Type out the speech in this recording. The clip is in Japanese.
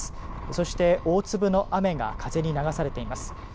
そして、大粒の雨が風に流されています。